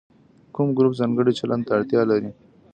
کوم ګروپ ځانګړي چلند ته اړتیا لري.